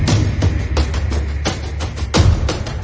แล้วก็พอเล่ากับเขาก็คอยจับอย่างนี้ครับ